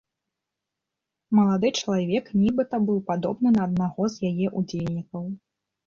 Малады чалавек нібыта быў падобны на аднаго з яе ўдзельнікаў.